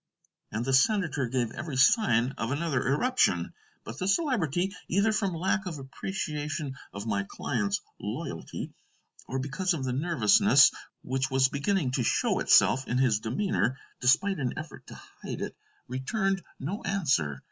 And the senator gave every sign of another eruption. But the Celebrity, either from lack of appreciation of my client's loyalty, or because of the nervousness which was beginning to show itself in his demeanor, despite an effort to hide it, returned no answer.